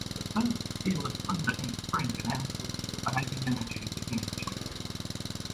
The first peal of thunder in spring announces the reviving energies of nature.